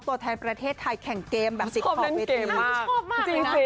ตัวแทนประเทศไทยแข่งเกมแบบติ๊กคอล์กเวที